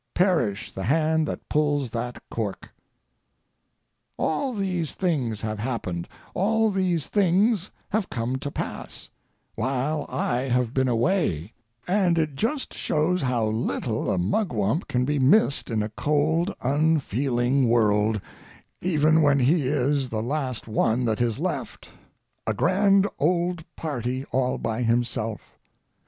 Perish the hand that pulls that cork! All these things have happened, all these things have come to pass, while I have been away, and it just shows how little a Mugwump can be missed in a cold, unfeeling world, even when he is the last one that is left—a GRAND OLD PARTY all by himself.